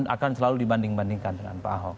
akan selalu dibandingkan dengan pak ahok